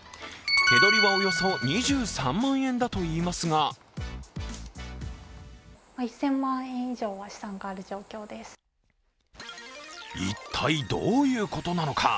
手取りはおよそ２３万円だといいますが一体どういうことなのか？